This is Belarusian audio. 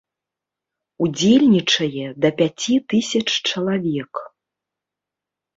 Удзельнічае да пяці тысяч чалавек.